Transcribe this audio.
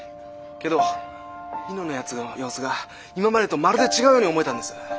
けど猪之のやつの様子が今までとまるで違うように思えたんです。